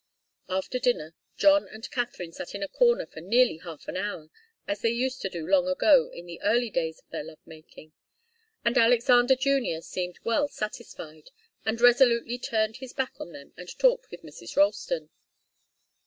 After dinner John and Katharine sat in a corner for nearly half an hour, as they used to do long ago in the early days of their love making, and Alexander Junior seemed well satisfied, and resolutely turned his back on them and talked with Mrs. Ralston.